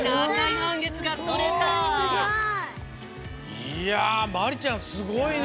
いやまりちゃんすごいね。